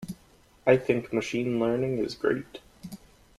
I think Machine Learning is great.